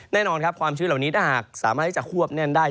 แน่นอนครับความชื้นเหล่านี้ถ้าหากสามารถที่จะควบแน่นได้